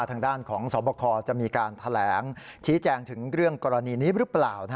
ทางด้านของสวบคจะมีการแถลงชี้แจงถึงเรื่องกรณีนี้หรือเปล่า